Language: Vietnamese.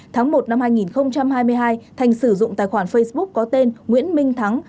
tháng một năm hai nghìn hai mươi hai thành sử dụng tài khoản facebook có tên nguyễn minh thắng